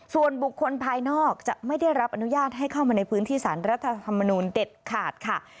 ส่วนบุคคลภายนอกจะไม่ได้รับอนุญาตให้เข้ามาในพื้นที่สารรัฐธรรมนูลเด็ดขาดค่ะ